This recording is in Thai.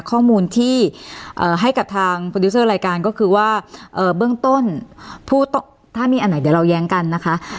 ข้อมูลที่ให้กับทางโปรดิวเซอร์รายการก็คือว่าเบื้องต้นผู้ต้องถ้ามีอันไหนเดี๋ยวเราแย้งกันนะคะ